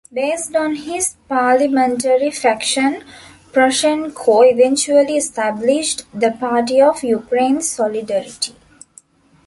Based on his parliamentary faction Poroshenko eventually established the "Party of Ukraine's Solidarity".